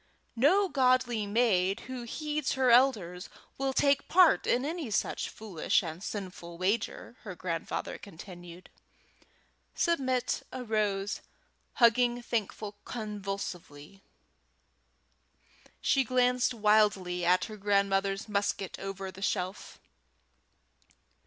"No godly maid who heeds her elders will take part in any such foolish and sinful wager," her grandfather continued. Submit arose, hugging Thankful convulsively. She glanced wildly at her great grandmother's musket over the shelf.